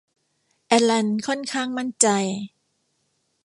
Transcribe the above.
แอลลันค่อนข้างมั่นใจ